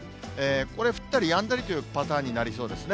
これ、降ったりやんだりというパターンになりそうですね。